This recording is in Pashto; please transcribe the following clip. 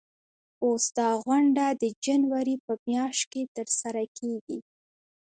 اوس دا غونډه د جنوري په میاشت کې ترسره کیږي.